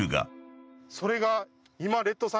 それが。